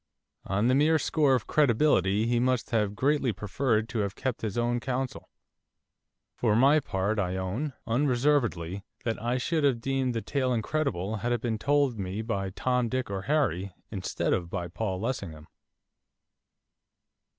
On the mere score of credibility he must have greatly preferred to have kept his own counsel. For my part I own, unreservedly, that I should have deemed the tale incredible had it been told me by Tom, Dick, or Harry, instead of by Paul Lessingham.